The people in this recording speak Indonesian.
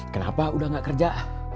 kenapa udah gak kerja